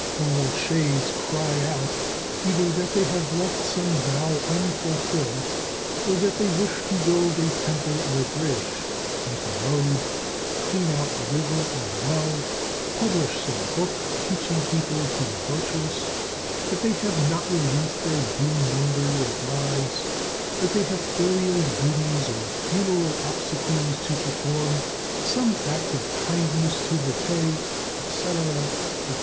All shades cry out either that they have left some vow unfulfilled, or that they wish to build a temple or a bridge, make a road, clean out a river or well, publish some book teaching people to be virtuous, that they have not released their due number of lives, that they have filial duties or funeral obsequies to perform, some act of kindness to repay, &c., &c.